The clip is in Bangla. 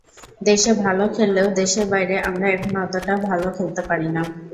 দেশে ভালো খেললেও দেশের বাইরে আমরা এখনো ততটা ভালো খেলতে পারিনি।